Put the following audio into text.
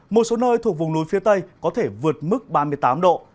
một số nơi thuộc vùng núi phía tây có thể vượt mức ba mươi tám độ